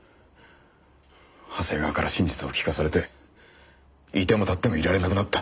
長谷川から真実を聞かされていてもたってもいられなくなった。